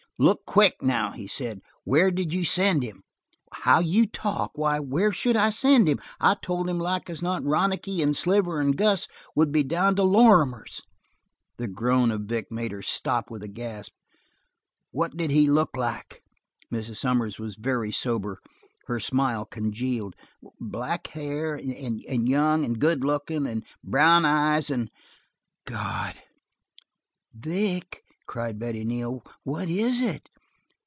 "Look quick, now," he said. "Where did you send him?" "How you talk! Why, where should I send him? I told him like as not Ronicky and Sliver and Gus would be down to Lorrimer's " The groan of Vic made her stop with a gasp. "What did he look like?" Mrs. Sommers was very sober. Her smile congealed. "Black hair, and young, and good lookin', and b b brown eyes, and " "God!" "Vic," cried Betty Neal, "what is it!"